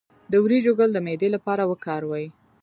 د وریجو ګل د معدې لپاره وکاروئ